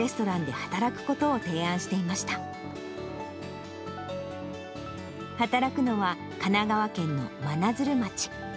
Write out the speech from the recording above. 働くのは神奈川県の真鶴町。